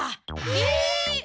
えっ！